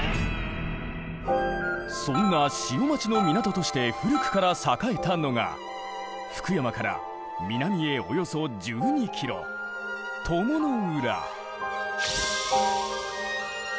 そんな潮待ちの港として古くから栄えたのが福山から南へおよそ１２キロ鞆の浦。